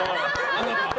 あなた！